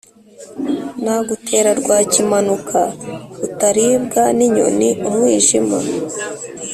Nagutera Rwakimanuka rutaribwa n'inyoni-Umwijima.